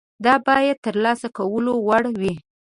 دا باید د ترلاسه کولو وړ وي.